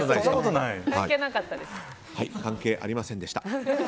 関係ありませんでした。